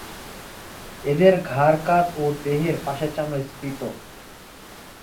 এদের ঘাড় কাঁধ ও দেহের পাশের চামড়া স্ফীত।